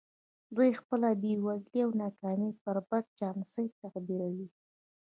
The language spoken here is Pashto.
دوی خپله بېوزلي او ناکامي پر بد چانسۍ تعبیروي